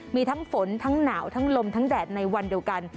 มีทั้งฝนทั้งหนาวทั้งลมทั้งแดดในวันเดียวกัน